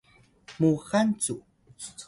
muxal cu